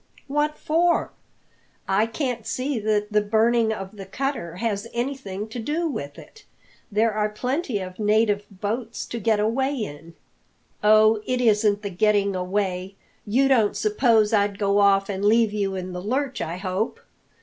"What for? I can't see that the burning of the cutter has anything to do with it. There are plenty of native boats to get away in." "Oh, it isn't the getting away! You don't suppose I'd go off and leave you in the lurch, I hope?